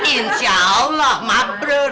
insya allah mabrur